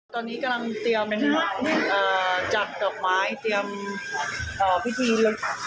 ตอนนี้กำลังเตรียมจัดเตรียมพิธีลดน้ำค่ะ